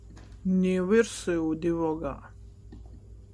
Niu ir syudi vogā.